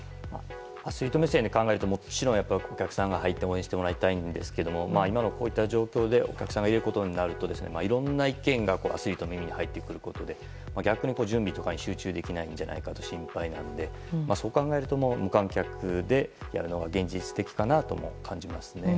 アスリート目線で考えるともちろんお客さんが入って応援してもらいたいんですが今のこういった状況でお客さんを入れることになるといろんな意見がアスリートの耳に入ってくることで逆に準備などに集中できないんじゃないかと心配なのでそう考えると無観客でやるのが現実的かなとも感じますね。